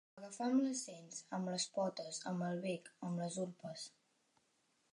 Agafar amb les dents, amb les potes, amb el bec, amb les urpes.